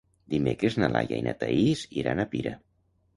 Dimecres na Laia i na Thaís iran a Pira.